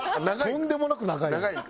とんでもなく長いやん。